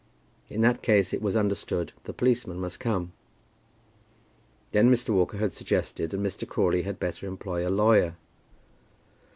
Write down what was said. In that case it was understood the policeman must come. Then Mr. Walker had suggested that Mr. Crawley had better employ a lawyer.